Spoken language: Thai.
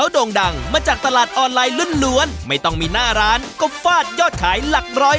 โด่งดังมาจากตลาดออนไลน์ล้วนไม่ต้องมีหน้าร้านก็ฟาดยอดขายหลักร้อย